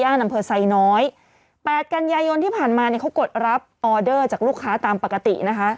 อำเภอไซน้อยแปดกันยายนที่ผ่านมาเนี่ยเขากดรับออเดอร์จากลูกค้าตามปกตินะคะ